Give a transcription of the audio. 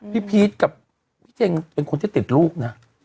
พี่พีชกับพี่เจงเป็นคนที่ติดลูกนะ